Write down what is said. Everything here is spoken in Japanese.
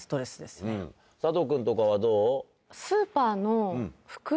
佐藤君とかはどう？